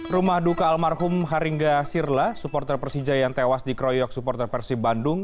rumah duka almarhum haringga sirla supporter persija yang tewas di kroyok supporter persi bandung